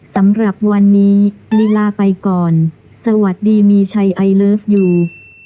สำหรับวันนี้ลีลาไปก่อนสวัสดีมีชัยไอเลิฟยู